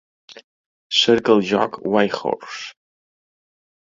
Cerca el joc Whitehorse.